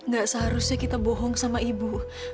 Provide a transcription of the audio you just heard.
gak seharusnya kita bohong sama ibu